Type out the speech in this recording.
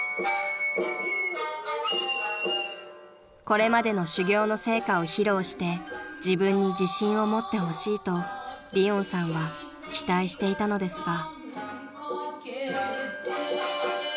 ［これまでの修業の成果を披露して自分に自信を持ってほしいと理音さんは期待していたのですが］